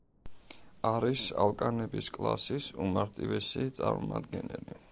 არის ალკანების კლასის უმარტივესი წარმომადგენელი.